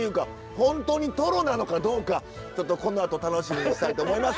ホントにトロなのかどうかちょっとこのあと楽しみにしたいと思います。